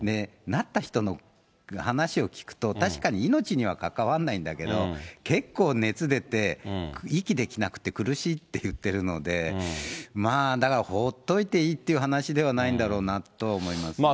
なった人の話を聞くと、確かに命には関わんないんだけど、結構熱出て、息できなくて苦しいって言ってるので、まあ、だからほっといていいっていう話ではないんだろうなとは思います。